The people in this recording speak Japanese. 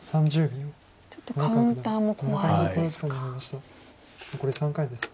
ちょっとカウンターも怖いですか。